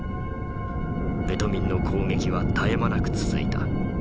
ベトミンの攻撃は絶え間なく続いた。